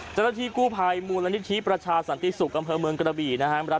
เจ้าหน้าที่กู้ภัยมูลนิษฐีประชาสนติศุกรกรเมืองกระบี่นะฮะ